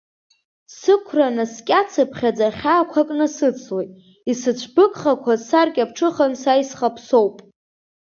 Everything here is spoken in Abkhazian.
Сықәра наскьацԥхьаӡа хьаақәак насыцлоит, исыцәбыгхақәаз саркьаԥҽыхан са исхаԥсоуп.